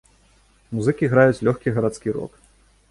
Музыкі граюць лёгкі гарадскі рок.